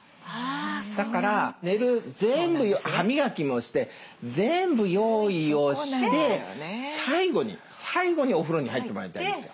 だから寝る全部歯磨きもして全部用意をして最後にお風呂に入ってもらいたいんですよ。